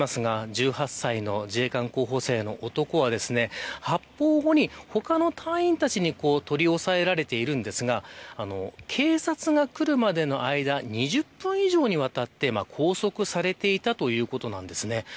１８歳の自衛官候補生の男は発砲後に、他の隊員たちに取り押さえられているんですが警察が来るまでの間２０分以上にわたって拘束されていたということなんです。